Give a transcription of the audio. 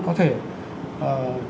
có thể trả lời